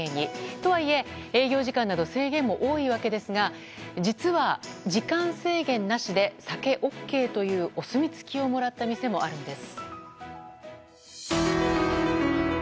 とはいえ、営業時間など制限も多いわけですが実は時間制限なしで酒ＯＫというお墨付きをもらった店もあるんです。